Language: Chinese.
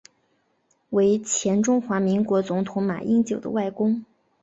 为前中华民国总统马英九的外公。